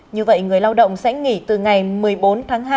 như vậy người lao động sẽ nghỉ từ ngày một mươi bốn tháng hai